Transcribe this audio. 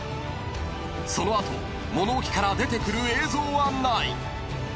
［その後物置から出てくる映像はない］